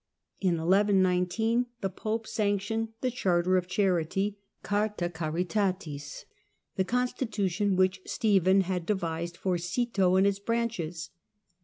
In 1119 the Pope sanctioned the " Charter of Charity " {Carta Caritatis), the constitution which Stephen had devised for Citeaux and its branches.